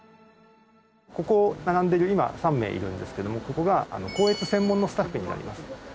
ここ並んでる今３名いるんですけどもここが校閲専門のスタッフになります。